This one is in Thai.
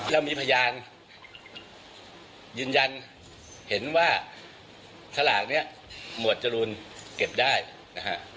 เรามีพยานยืนยันเห็นว่าสลากนี้หมวดจรูนเก็บได้นะฮะ